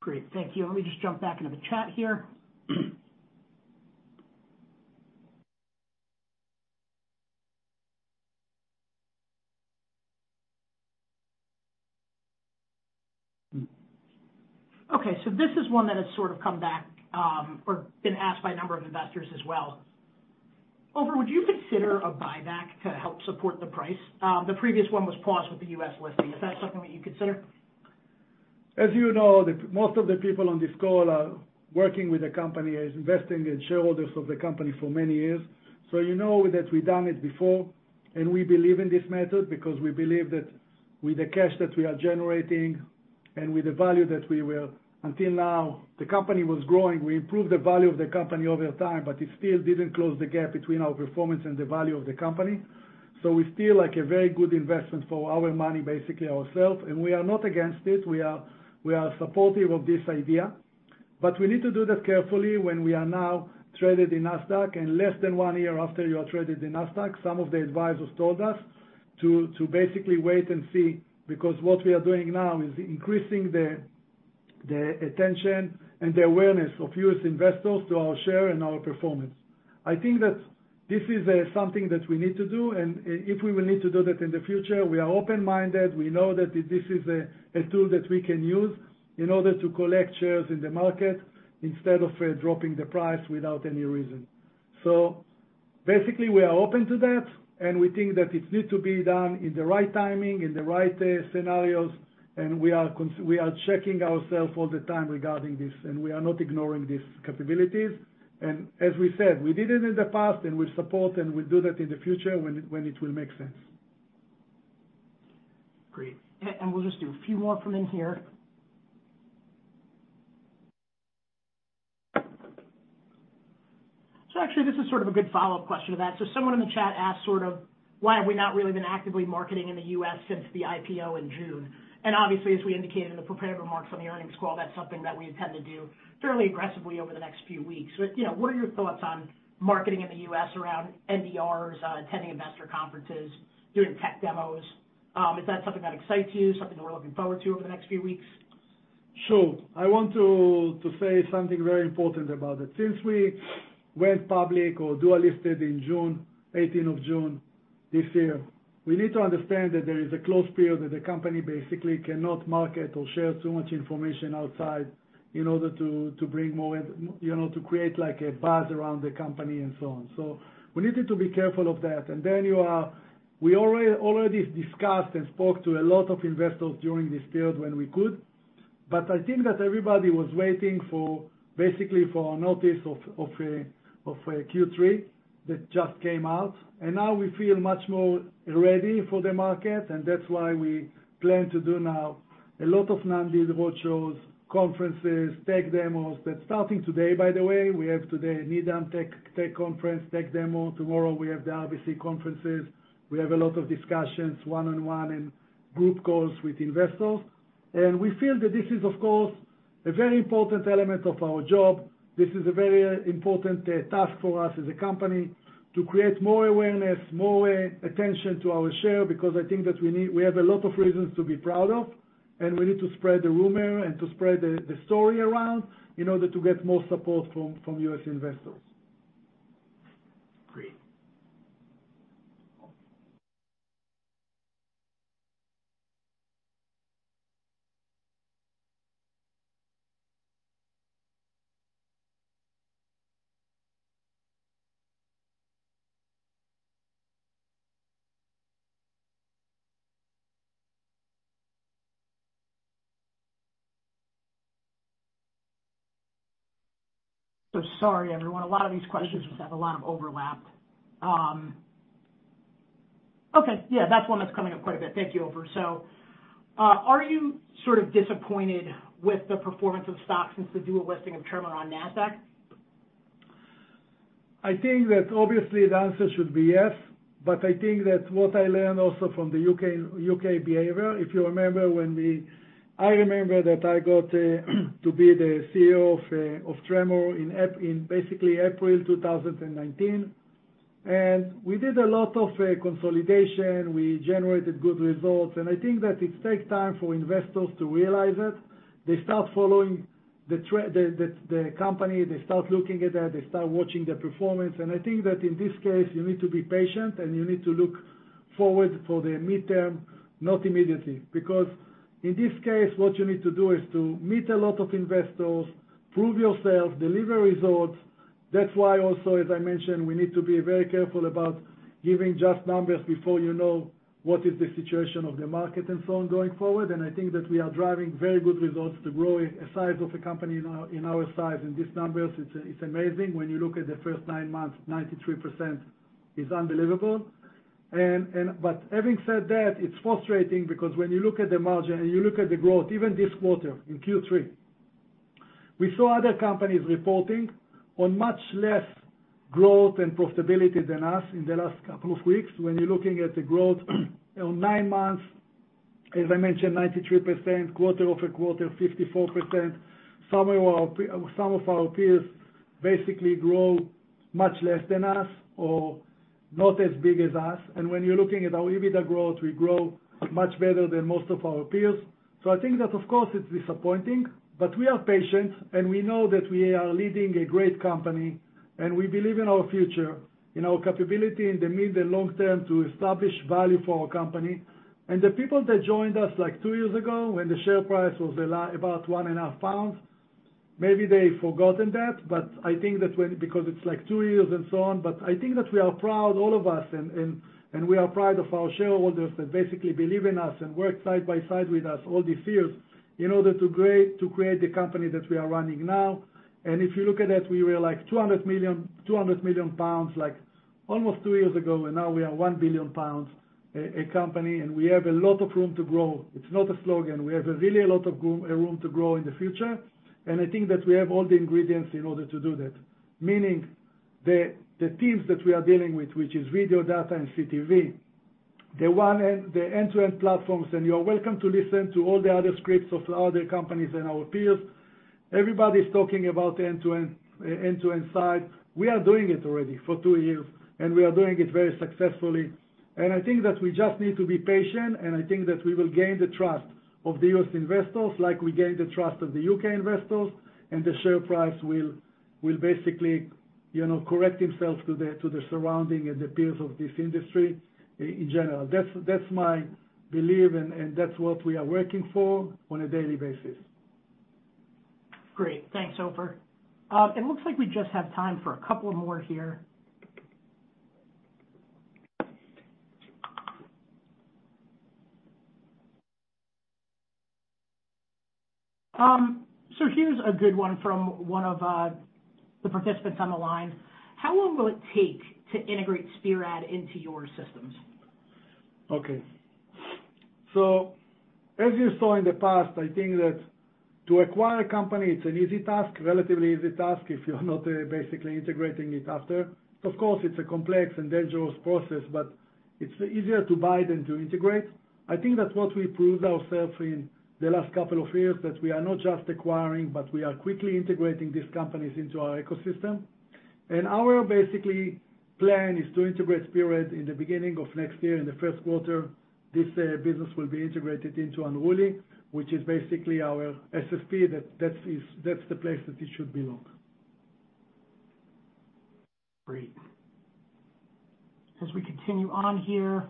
Great. Thank you. Let me just jump back into the chat here. Okay, so this is one that has sort of come back, or been asked by a number of investors as well. Ofer, would you consider a buyback to help support the price? The previous one was paused with the U.S. listing. Is that something that you'd consider? As you know, most of the people on this call are working with the company, is investing in shareholders of the company for many years. You know that we've done it before, and we believe in this method because we believe that with the cash that we are generating and with the value that we will until now, the company was growing. We improved the value of the company over time, but it still didn't close the gap between our performance and the value of the company. We feel like a very good investment for our money, basically ourself, and we are not against it. We are supportive of this idea. We need to do that carefully when we are now traded in Nasdaq, and less than one year after you are traded in Nasdaq, some of the advisors told us to basically wait and see, because what we are doing now is increasing the attention and the awareness of U.S. investors to our share and our performance. I think that this is something that we need to do, and if we will need to do that in the future, we are open-minded. We know that this is a tool that we can use in order to collect shares in the market instead of dropping the price without any reason. Basically, we are open to that, and we think that it need to be done in the right timing, in the right scenarios, and we are checking ourself all the time regarding this, and we are not ignoring these capabilities. As we said, we did it in the past, and we support, and we'll do that in the future when it will make sense. Great. And we'll just do a few more from in here. Actually this is sort of a good follow-up question to that. Someone in the chat asked, sort of, why have we not really been actively marketing in the U.S. since the IPO in June? Obviously, as we indicated in the prepared remarks on the earnings call, that's something that we intend to do fairly aggressively over the next few weeks. You know, what are your thoughts on marketing in the U.S. around NDRs, attending investor conferences, doing tech demos? Is that something that excites you, something that we're looking forward to over the next few weeks? Sure. I want to say something very important about that. Since we went public or dual listed in June, 18th of June this year, we need to understand that there is a close period that the company basically cannot market or share too much information outside in order to bring more you know, to create like a buzz around the company and so on. We needed to be careful of that. We already discussed and spoke to a lot of investors during this period when we could, but I think that everybody was waiting for, basically for a notice of a Q3 that just came out. Now we feel much more ready for the market, and that's why we plan to do now a lot of non-deal roadshows, conferences, tech demos. That's starting today, by the way. We have today Needham tech conference, tech demo. Tomorrow, we have the RBC conferences. We have a lot of discussions one-on-one and group calls with investors. We feel that this is, of course, a very important element of our job. This is a very important task for us as a company to create more awareness, more attention to our share because I think that we have a lot of reasons to be proud of, and we need to spread the rumor and to spread the story around in order to get more support from U.S. investors. Great. Sorry everyone, a lot of these questions just have a lot of overlap. Okay. Yeah, that's one that's coming up quite a bit. Thank you, Ofer. Are you sort of disappointed with the performance of stock since the dual listing of Tremor on Nasdaq? I think that, obviously, the answer should be yes, but I think that what I learned also from the U.K. behavior, if you remember, I remember that I got to be the CEO of Tremor in basically April 2019. We did a lot of consolidation. We generated good results. I think that it takes time for investors to realize it. They start following the company, they start looking at that, they start watching the performance. I think that in this case, you need to be patient and you need to look forward for the midterm, not immediately. Because in this case, what you need to do is to meet a lot of investors, prove yourself, deliver results. That's why also, as I mentioned, we need to be very careful about giving just numbers before you know what is the situation of the market and so on going forward. I think that we are driving very good results to grow a size of a company in our size and these numbers, it's amazing when you look at the first nine months, 93% is unbelievable. Having said that, it's frustrating because when you look at the margin and you look at the growth, even this quarter in Q3, we saw other companies reporting on much less growth and profitability than us in the last couple of weeks. When you're looking at the growth on nine months, as I mentioned, 93%, quarter-over-quarter, 54%. Some of our peers basically grow much less than us or not as big as us. When you're looking at our EBITDA growth, we grow much better than most of our peers. I think that of course, it's disappointing, but we are patient, and we know that we are leading a great company, and we believe in our future, in our capability in the mid to long term to establish value for our company. The people that joined us like two years ago when the share price was about 1.5 pounds, maybe they've forgotten that, but I think that because it's like two years and so on. I think that we are proud, all of us, and we are proud of our shareholders that basically believe in us and work side by side with us all these years, in order to grow, to create the company that we are running now. If you look at that, we were like 200 million pounds like almost two years ago, and now we are 1 billion pounds a company, and we have a lot of room to grow. It's not a slogan. We have really a lot of room to grow in the future, and I think that we have all the ingredients in order to do that. Meaning, the teams that we are dealing with, which is video, data, and CTV, the end-to-end platforms, and you're welcome to listen to all the other scripts of other companies and our peers. Everybody's talking about end-to-end side. We are doing it already for two years, and we are doing it very successfully. I think that we just need to be patient, and I think that we will gain the trust of the U.S. investors like we gained the trust of the U.K. investors, and the share price will basically, you know, correct themselves to the surrounding and the peers of this industry in general. That's my belief and that's what we are working for on a daily basis. Great. Thanks, Ofer. It looks like we just have time for a couple more here. So here's a good one from one of the participants on the line. How long will it take to integrate Spearad into your systems? As you saw in the past, I think that to acquire a company, it's an easy task, relatively easy task if you're not basically integrating it after. Of course, it's a complex and dangerous process, but it's easier to buy than to integrate. I think that's what we proved ourselves in the last couple of years, that we are not just acquiring, but we are quickly integrating these companies into our ecosystem. Our, basically, plan is to integrate Spearad in the beginning of next year, in the first quarter. This business will be integrated into Unruly, which is basically our SSP. That's the place that it should belong. Great. As we continue on here.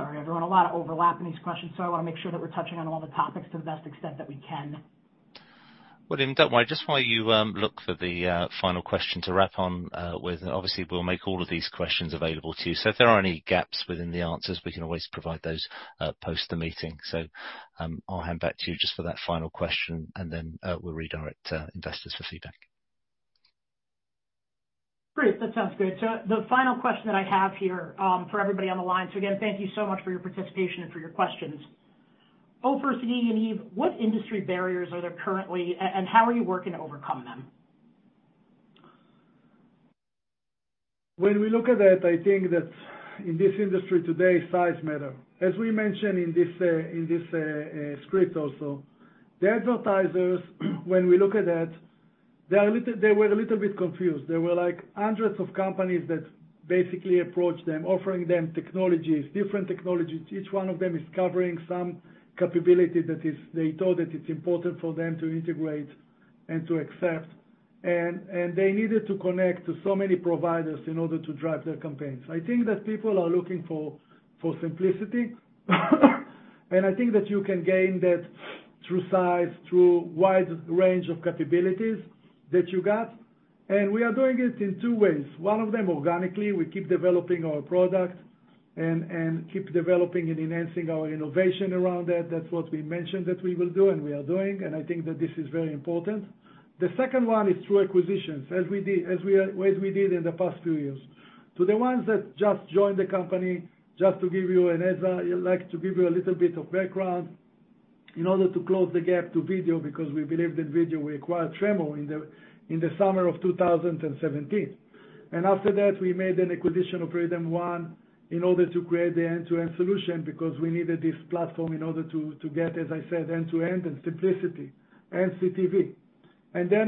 Sorry, everyone, a lot of overlap in these questions, so I want to make sure that we're touching on all the topics to the best extent that we can. William, don't worry. Just while you look for the final question to wrap on with, obviously, we'll make all of these questions available to you. If there are any gaps within the answers, we can always provide those post the meeting. I'll hand back to you just for that final question, and then we'll redirect investors for feedback. Great. That sounds good. The final question that I have here, for everybody on the line. Again, thank you so much for your participation and for your questions. Ofer, Sagi, Yaniv, what industry barriers are there currently and how are you working to overcome them? When we look at that, I think that in this industry today, size matter. As we mentioned in this script also, the advertisers, when we look at that, they were a little bit confused. There were like hundreds of companies that basically approach them, offering them technologies, different technologies. Each one of them is covering some capability they thought that it's important for them to integrate and to accept. They needed to connect to so many providers in order to drive their campaigns. I think that people are looking for simplicity, and I think that you can gain that through size, through wide range of capabilities that you got. We are doing it in two ways. One of them organically, we keep developing our product and keep developing and enhancing our innovation around that. That's what we mentioned that we will do and we are doing, and I think that this is very important. The second one is through acquisitions, as we did in the past few years. To the ones that just joined the company, just to give you an idea, I'd like to give you a little bit of background. In order to close the gap to video, because we believe that video, we acquired Tremor in the summer of 2017. After that, we made an acquisition of RhythmOne in order to create the end-to-end solution, because we needed this platform in order to get, as I said, end-to-end and simplicity and CTV.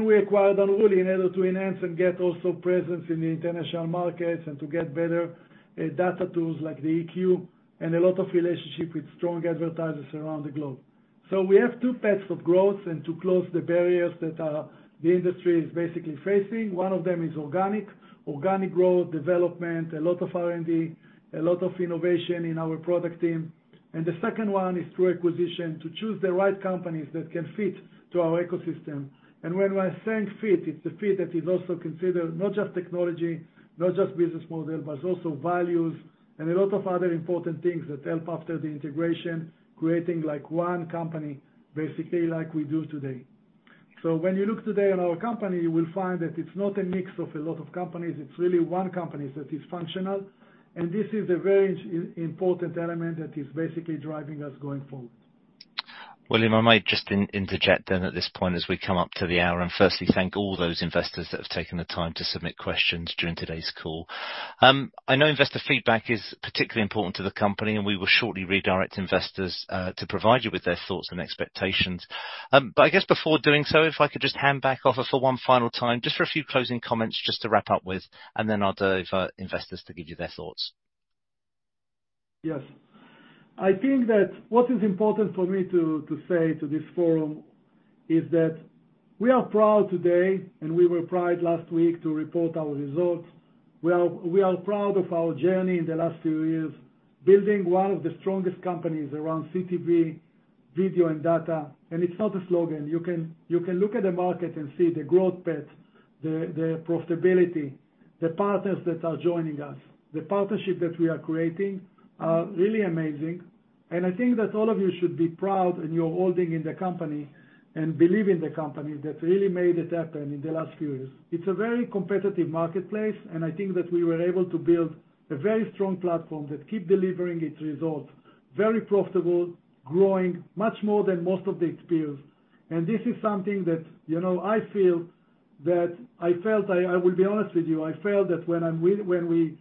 We acquired Unruly in order to enhance and get also presence in the international markets and to get better, data tools like the EQ and a lot of relationship with strong advertisers around the globe. We have two paths of growth and to close the barriers that the industry is basically facing. One of them is organic growth, development, a lot of R&D, a lot of innovation in our product team. The second one is through acquisition, to choose the right companies that can fit to our ecosystem. When we are saying fit, it's the fit that is also considered not just technology, not just business model, but also values and a lot of other important things that help after the integration, creating like one company, basically like we do today. When you look today at our company, you will find that it's not a mix of a lot of companies. It's really one company that is functional, and this is a very important element that is basically driving us going forward. Billy, I might just interject then at this point as we come up to the hour. Firstly, I thank all those investors that have taken the time to submit questions during today's call. I know investor feedback is particularly important to the company, and we will shortly redirect investors to provide you with their thoughts and expectations. I guess before doing so, if I could just hand back, Ofer, for one final time, just for a few closing comments, just to wrap up with, and then I'll do it for investors to give you their thoughts. Yes. I think that what is important for me to say to this forum is that we are proud today, and we were proud last week to report our results. We are proud of our journey in the last few years, building one of the strongest companies around CTV, video, and data. It's not a slogan. You can look at the market and see the growth path, the profitability, the partners that are joining us. The partnership that we are creating are really amazing. I think that all of you should be proud in your holding in the company and believe in the company that really made it happen in the last few years. It's a very competitive marketplace, and I think that we were able to build a very strong platform that keep delivering its results, very profitable, growing much more than most of its peers. This is something that, you know, I will be honest with you, I felt that when we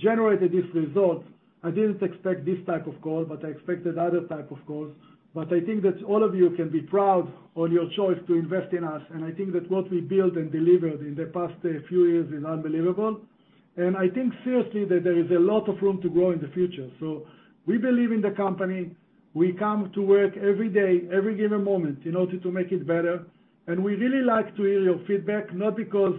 generated this result, I didn't expect this type of call, but I expected other type of calls. I think that all of you can be proud on your choice to invest in us. I think that what we built and delivered in the past few years is unbelievable. I think seriously that there is a lot of room to grow in the future. We believe in the company. We come to work every day, every given moment in order to make it better. We really like to hear your feedback, not because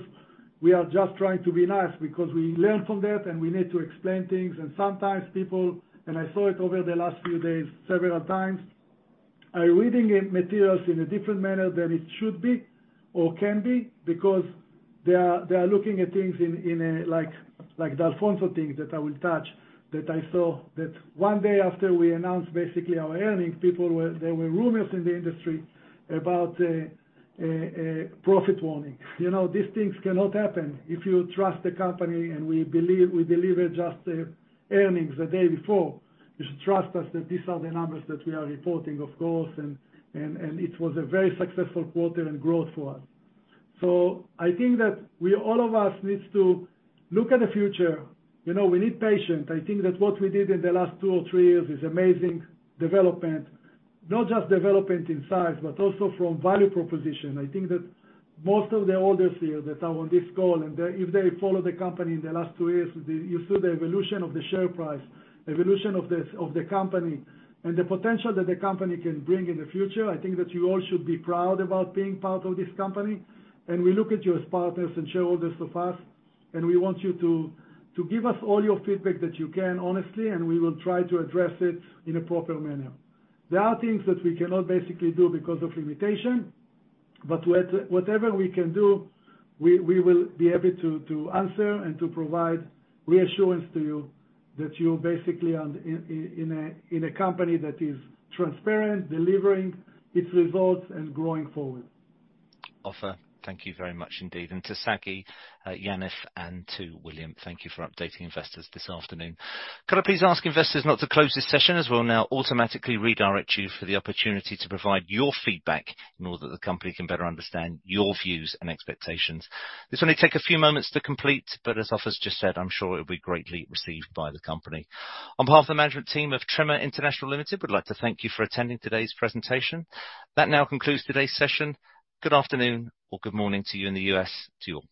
we are just trying to be nice, because we learn from that and we need to explain things. Sometimes people, I saw it over the last few days several times, are reading materials in a different manner than it should be or can be because they are looking at things in a, like the Alphonso thing that I will touch, that I saw that one day after we announced basically our earnings, there were rumors in the industry about a profit warning. You know, these things cannot happen if you trust the company and we delivered just the earnings the day before. You should trust us that these are the numbers that we are reporting, of course. It was a very successful quarter and growth for us. I think that we, all of us needs to look at the future. You know, we need patience. I think that what we did in the last two or three years is amazing development, not just development in size, but also from value proposition. I think that most of the others here that are on this call, and if they follow the company in the last two years, you see the evolution of the share price, evolution of the company, and the potential that the company can bring in the future. I think that you all should be proud about being part of this company. We look at you as partners and shareholders of us, and we want you to give us all your feedback that you can, honestly, and we will try to address it in an appropriate manner. There are things that we cannot basically do because of limitation, but whatever we can do, we will be able to answer and to provide reassurance to you that you're basically in a company that is transparent, delivering its results, and growing forward. Ofer, thank you very much indeed. To Sagi, Yaniv, and to William, thank you for updating investors this afternoon. Could I please ask investors not to close this session as we'll now automatically redirect you for the opportunity to provide your feedback in order that the company can better understand your views and expectations. This will only take a few moments to complete, but as Ofer's just said, I'm sure it will be greatly received by the company. On behalf of the management team of Tremor International Ltd, we'd like to thank you for attending today's presentation. That now concludes today's session. Good afternoon or good morning to you in the U.S. To you all.